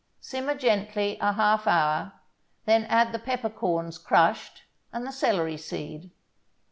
Simmer gently a half hour, then add the peppercorns, crushed, and the celery seed.